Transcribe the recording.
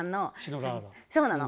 そうなの。